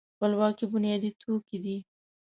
خپلواکي بنیادي توکی دی.